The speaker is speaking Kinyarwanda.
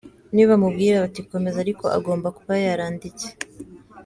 Niyo bamubwira bati komeza ariko agomba kuba yaranditse.